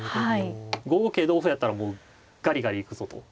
５五桂同歩やったらもうガリガリ行くぞと。